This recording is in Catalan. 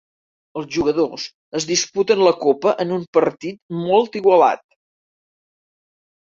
Els jugadors es disputen la copa en un partit molt igualat.